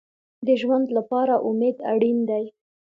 د ژوند لپاره امید اړین دی